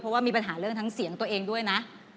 เพราะว่ามีปัญหาเรื่องทั้งเสียงตัวเองด้วยนะ